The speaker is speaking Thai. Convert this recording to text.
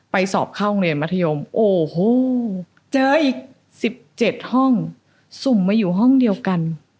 สอบเข้าโรงเรียนมัธยมโอ้โหเจออีก๑๗ห้องสุ่มมาอยู่ห้องเดียวกัน